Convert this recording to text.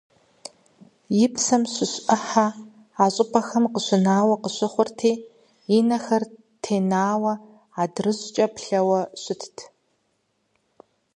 И псэм щыщ Ӏыхьэ а щӀыпӀэхэм къыщинауэ къыщыхъурти, и нэхэр тенауэ адрыщӀкӀэ плъэуэ щытт.